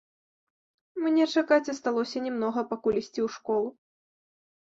Мне чакаць асталося не многа, пакуль ісці ў школу.